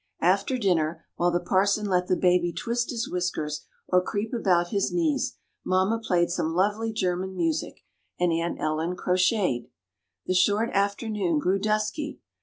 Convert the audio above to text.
After dinner, while the parson let the baby twist his whiskers or creep about his knees, mamma played some lovely German music, and Aunt Ellen crocheted. The short afternoon grew dusky.